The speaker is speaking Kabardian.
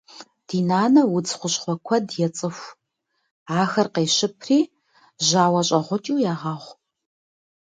Ди нанэ удз хущхъуэ куэд ецӏыху. Ахэр къещыпри жьауэщӏэгъукӏыу егъэгъу.